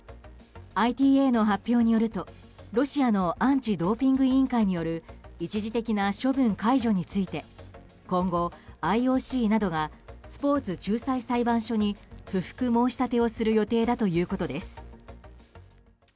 ＩＴＡの発表によるとロシアのアンチドーピング委員会による一時的な処分解除について今後、ＩＯＣなどがスポーツ仲裁裁判所に不服申し立てをする予定だということです。